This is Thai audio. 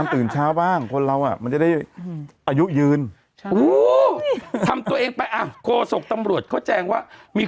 เต้นอาราบิกจะได้รู้ต้องเต้นอย่างไร